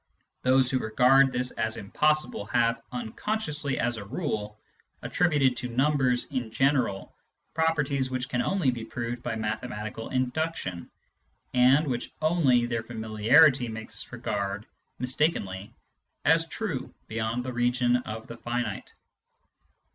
Those who regard this as impossible have, unconsciously as a rule, attributed to numbers in general pro perties which can only be proved by mathematical induction, and which only their familiarity makes us regard, mistakenly, as true beyond the region of the finite.